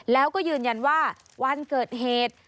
แล้วก็ยืนยันว่าวันเกิดเหตุ